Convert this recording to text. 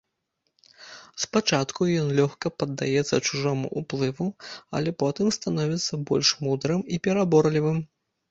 Спачатку ён лёгка паддаецца чужому ўплыву, але потым становіцца больш мудрым і пераборлівым.